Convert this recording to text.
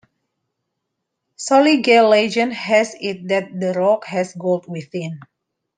Soliga legend has it that the rock has gold within.